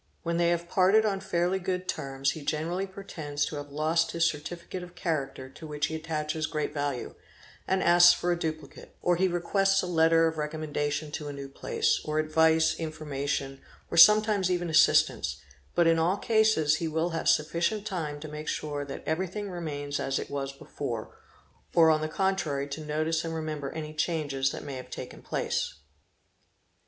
When they have parted on fairly good terms, he _ generally pretends to have lost his certificate of character to which he } OTHER PREPARATIONS 675 recommendation to a new place, or advice, information, or sometimes even assistance ; but in all.cases he will have sufficient time to make sure that everything remains as it was before, or on the contrary to notice and remember any changes that may have taken place.